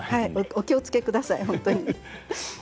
お気をつけください、本当に。